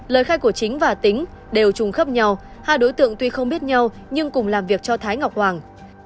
lời khai của chính và tính đều trùng khớp nhau hai đối tượng tuy không biết nhau nhưng cùng làm việc cho thái ngọc hoàng